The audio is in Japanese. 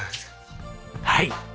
はい。